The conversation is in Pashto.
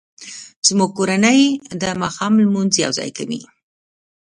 زموږ کورنۍ د ماښام لمونځ یوځای کوي